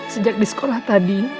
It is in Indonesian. sejak di sekolah tadi